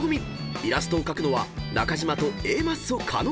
イラストを描くのは中島とＡマッソ加納。